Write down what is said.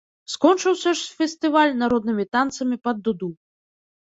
Скончыўся ж фестываль народнымі танцамі пад дуду.